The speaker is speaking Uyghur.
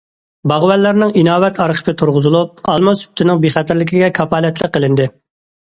باغۋەنلەرنىڭ ئىناۋەت ئارخىپى تۇرغۇزۇلۇپ، ئالما سۈپىتىنىڭ بىخەتەرلىكىگە كاپالەتلىك قىلىندى.